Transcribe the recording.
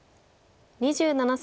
２７歳。